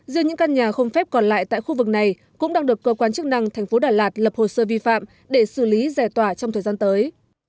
riêng những căn nhà không phép còn lại tại khu vực này cũng đang được cơ quan chức năng thành phố đà lạt lập hồ sơ vi phạm để xử lý giải tỏa trong thời gian tới